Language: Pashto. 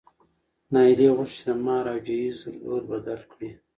نایله غوښتل چې د مهر او جهیز دود بدل کړي.